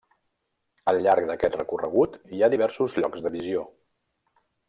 Al llarg d'aquest recorregut, hi ha diversos llocs de visió.